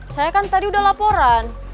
saya kan tadi udah laporan